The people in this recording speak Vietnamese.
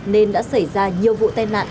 nên đã xảy ra nhiều vụ tên nạn